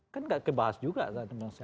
kan nggak kebahas juga sekarang ya